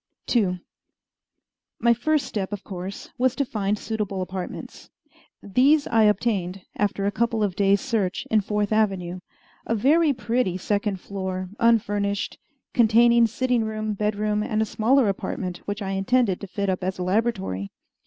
II My first step, of course, was to find suitable apartments. These I obtained, after a couple of days' search, in Fourth Avenue; a very pretty second floor, unfurnished, containing sitting room, bedroom, and a smaller apartment which I intended to fit up as a laboratory.